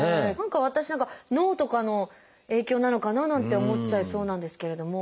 私何か脳とかの影響なのかななんて思っちゃいそうなんですけれども。